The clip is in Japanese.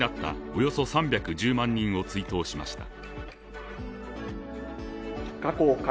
およそ３１０万人を追悼しました。